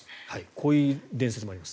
こういう伝説もあります。